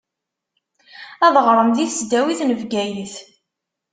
Ad ɣṛent di tesdawit n Bgayet.